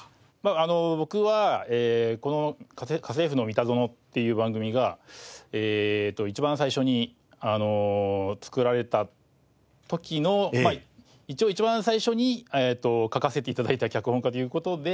あの僕はこの『家政夫のミタゾノ』っていう番組が一番最初に作られた時の一応一番最初に書かせて頂いた脚本家という事で。